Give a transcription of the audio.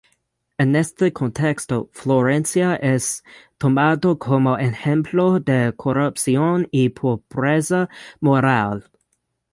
En este contexto, Florencia es tomada como ejemplo de corrupción y pobreza moral.